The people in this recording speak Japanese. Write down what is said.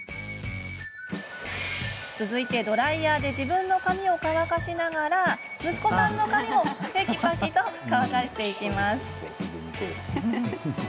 続いてドライヤーで自分の髪を乾かしながら息子さんの髪もてきぱきと乾かしていきます。